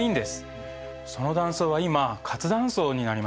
その断層は今活断層になりました。